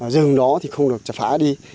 rừng đó thì không được phá đi